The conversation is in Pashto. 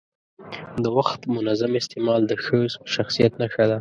د وخت منظم استعمال د ښه شخصیت نښه ده.